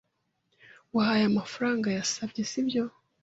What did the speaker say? Wahaye amafaranga yasabye, sibyo?